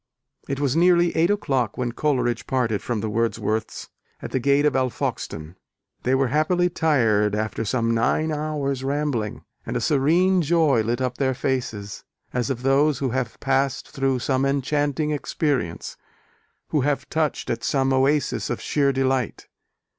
It was nearly eight o'clock when Coleridge parted from the Wordsworths at the gate of Alfoxden. They were happily tired after some nine hours' rambling, and a serene joy lit up their faces, as of those who have passed through some enchanting experience, who have touched at some oasis of sheer delight.